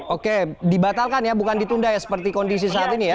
oke dibatalkan ya bukan ditunda ya seperti kondisi saat ini ya